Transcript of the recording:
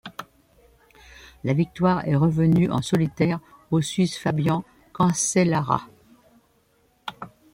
La victoire est revenue en solitaire au Suisse Fabian Cancellara.